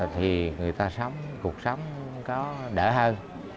thì người ta sống cuộc sống có đỡ hơn